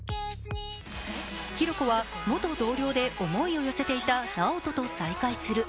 比呂子は元同僚で思いを寄せていた直人と再会する。